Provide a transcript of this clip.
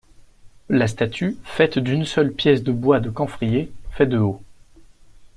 La statue, faite d'une seule pièce de bois de camphrier, fait de haut.